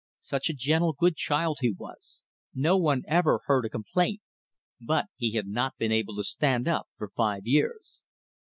Such a gentle, good child he was; no one ever heard a complaint; but he had not been able to stand up for five years.